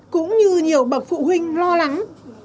cũng như nhiều bậc phụ huynh lo lắng